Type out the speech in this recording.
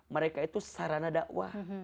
mereka itu sarana dakwah